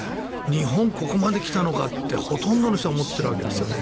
日本、ここまで来たのかとほとんどの人が思っているわけですよ。